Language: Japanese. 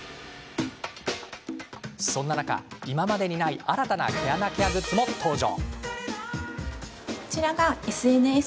そんな中、今までにない新たな毛穴ケアグッズも登場。